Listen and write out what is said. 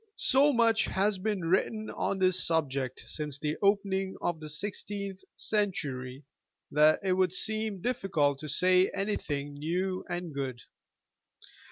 So much has been Avritten on this subject since the opening of the XVIth century that it would seem difficult to say anything new and good.